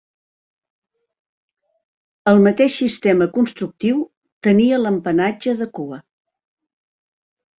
El mateix sistema constructiu tenia l'empenatge de cua.